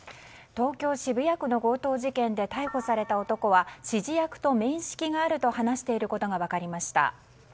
東京・渋谷区の強盗事件で逮捕された男は指示役と面識があると話していることが分かりました。